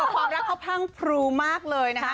ความรักเขาพังพรูมากเลยนะคะ